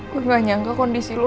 gue gak nyangka kondisi lo